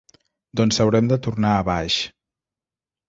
Doncs haurem de tornar a baix.